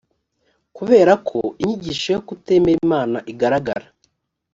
kubera ko inyigisho yo kutemera imana igaragara